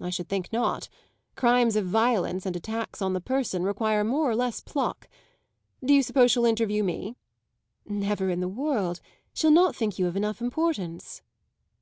"I should think not; crimes of violence and attacks on the person require more or less pluck. Do you suppose she'll interview me?" "Never in the world. She'll not think you of enough importance."